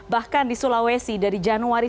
bahkan di sulawesi dari januari